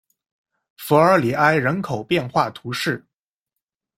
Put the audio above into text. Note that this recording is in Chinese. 弗尔里埃人口变化图示